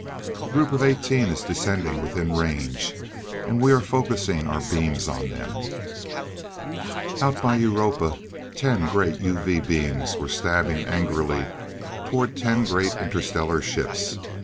The group of eighteen is descending within range, and we are focusing our beams on them " Out by Europa, ten great UV beams were stabbing angrily toward ten great interstellar ships.